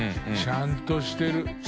ちゃんとしてるわ。